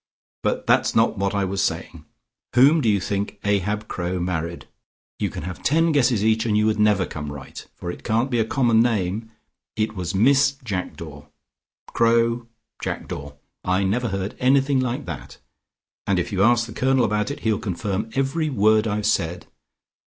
But that's not what I was saying. Whom do you think Ahab Crowe married? You can have ten guesses each, and you would never come right, for it can't be a common name. It was Miss Jackdaw. Crowe: Jackdaw. I never heard anything like that, and if you ask the Colonel about it, he'll confirm every word I've said.